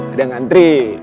ya dah ngantri